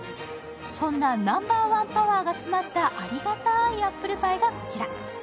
そんなナンバーワンパワーが詰まったありがたいアップルパイがこちら。